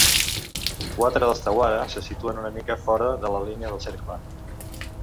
Quatre dels "tawara" se situen una mica fora de la línia del cercle.